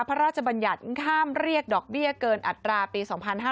พระราชบัญญัติห้ามเรียกดอกเบี้ยเกินอัตราปี๒๕๕๙